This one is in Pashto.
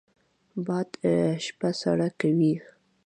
باد شپه سړه کوي